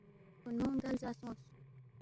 ہرکُونمونگ دا لزا سونگس